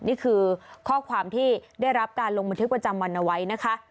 นี่คือข้อความที่ได้รับการลงบันทึกประจำวันเอาไว้นะคะ